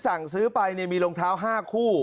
สั่งซื้อไปมีรองเท้า๕คู่